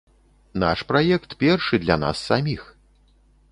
Наш праект першы для нас саміх!